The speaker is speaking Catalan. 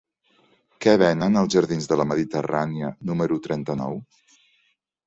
Què venen als jardins de la Mediterrània número trenta-nou?